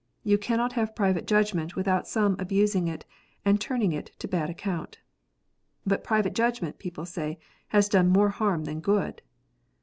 You cannot have private judgment without some abusing it, and turning it to bad account. But private judgment, people say, lias done more harm titan good